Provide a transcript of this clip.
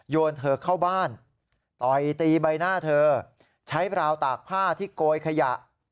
เธอเข้าบ้านต่อยตีใบหน้าเธอใช้ราวตากผ้าที่โกยขยะ